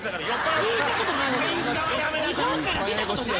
聞いたことないわよ。